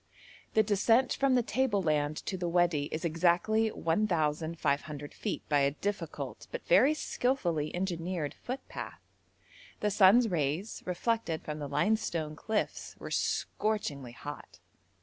The descent from the table land to the Wadi is exactly 1,500 feet by a difficult, but very skilfully engineered footpath. The sun's rays, reflected from the limestone cliffs, were scorchingly hot.